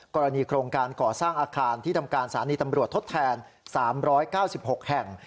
กรณีโครงการก่อสร้างอาคารที่ทำการสถานีตำรวจทดแทน๓๙๖แห่ง